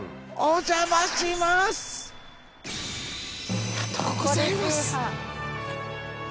ありがとうございます。